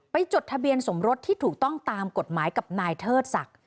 จดทะเบียนสมรสที่ถูกต้องตามกฎหมายกับนายเทิดศักดิ์